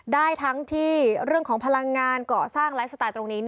ได้ทั้งที่เรื่องของพลังงานเกาะสร้างไลฟ์สไตล์ตรงนี้